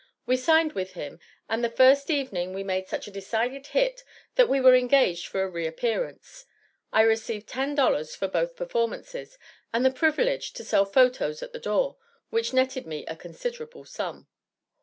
We signed with him, and the first evening we made such a decided hit that we were engaged for a re appearance; I received ten dollars for both performances and the privilege to sell photos at the door, which netted me a considerable sum.